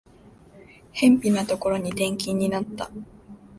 辺ぴなところに転勤になった